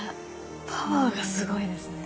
パワーがすごいですね。